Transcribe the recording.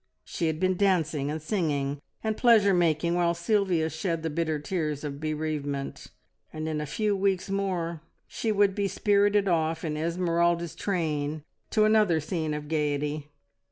She had been dancing, and singing, and pleasure making while Sylvia shed the bitter tears of bereavement, and in a few weeks more she would be spirited off in Esmeralda's train to another scene of gaiety.